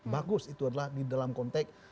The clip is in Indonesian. bagus itu adalah di dalam konteks